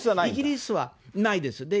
イギリスはないです。